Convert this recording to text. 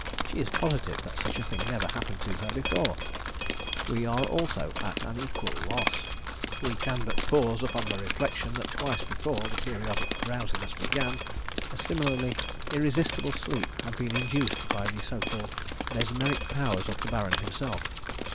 She is positive that such a thing never happened to her before. We also are at an equal loss. We can but pause upon the reflection that twice before the periodic drowsiness began, a similarly irresistible sleep had been induced by the so called mesmeric powers of the Baron himself.